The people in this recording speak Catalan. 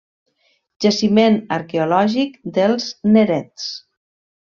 Jaciment arqueològic dels Nerets.